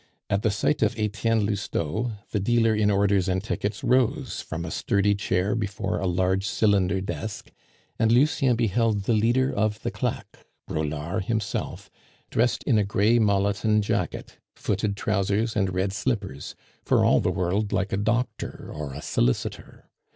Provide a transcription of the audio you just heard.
At the sight of Etienne Lousteau, the dealer in orders and tickets rose from a sturdy chair before a large cylinder desk, and Lucien beheld the leader of the claque, Braulard himself, dressed in a gray molleton jacket, footed trousers, and red slippers; for all the world like a doctor or a solicitor.